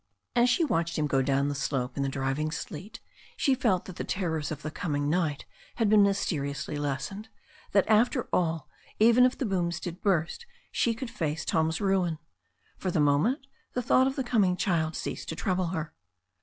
As she watched him go down the slope in the driving sleet she felt that the terrors of the coming night had been mys teriously lessened; that, after all, even if the booms did THE STORY OF A NEW ZEALAND RIVER 173 burst, she could face Tom's ruin. For the moment the thought of the coming child ceased to trouble her.